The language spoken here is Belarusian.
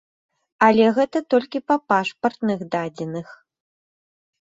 Але гэта толькі па пашпартных дадзеных.